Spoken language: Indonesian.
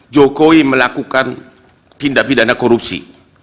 jokowi melakukan tindak pidana korupsi